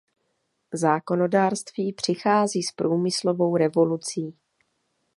Zákonodárství přichází s průmyslovou revolucí.